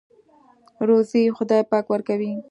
روزۍ خدای پاک ورکوي.